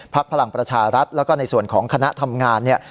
พลังประชารัฐแล้วก็ในส่วนของคณะทำงานเนี่ย